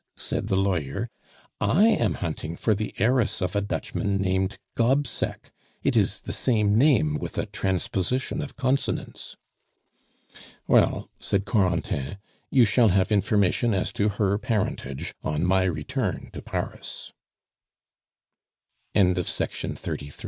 said the lawyer. "I am hunting for the heiress of a Dutchman named Gobseck it is the same name with a transposition of consonants." "Well," said Corentin, "you shall have information as to her parentage on my return to Paris." An hour later, the two agents for the